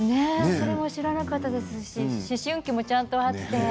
それも知らなかったですし思春期もちゃんとあって。